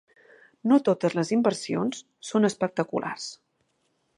No totes les inversions són espectaculars.